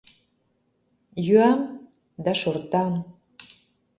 Йӱам да шортам...